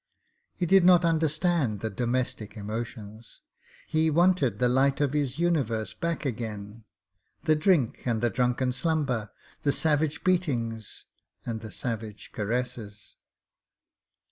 He did not understand the domestic emotions. He wanted the light of his universe back again the drink and the drunken slumber, the savage beatings and the savage caresses.